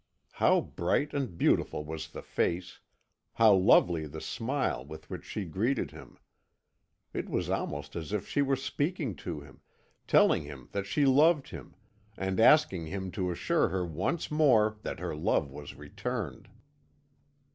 How bright and beautiful was the face, how lovely the smile with which she greeted him! It was almost as if she were speaking to him, telling him that she loved him, and asking him to assure her once more that her love was returned.